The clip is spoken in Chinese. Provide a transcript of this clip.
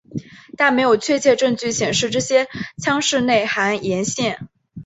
但没有确切证据显示这些腔室内含盐腺。